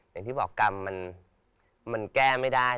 อย่างที่บอกกรรมมันแก้ไม่ได้